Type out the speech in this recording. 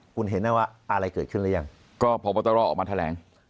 คุณเห็นได้ว่าอะไรเกิดขึ้นหรือยังก็พบตรออกมาแถลง